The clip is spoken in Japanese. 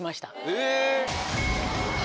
え！